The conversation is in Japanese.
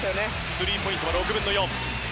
スリーポイントは６分の４。